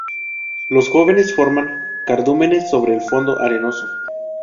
Los jóvenes forman cardúmenes sobre el fondo arenoso.